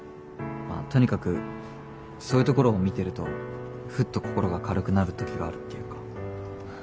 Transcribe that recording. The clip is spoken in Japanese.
まあとにかくそういうところを見てるとふっと心が軽くなる時があるっていうか。